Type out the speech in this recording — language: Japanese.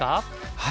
はい。